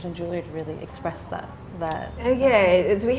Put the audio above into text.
untuk menjelaskan itu